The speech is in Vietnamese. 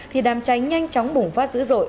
thì đàm cháy nhanh chóng bùng phát dữ dội